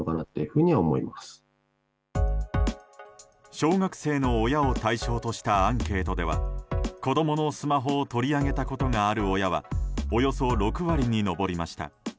小学生の親を対象としたアンケートでは子供のスマホを取り上げたことがある親はおよそ６割に上りました。